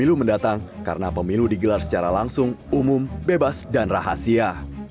pemilu mendatang karena pemilu digelar secara langsung umum bebas dan rahasia